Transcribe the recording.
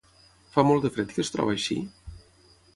Fa molt de fred que es troba així?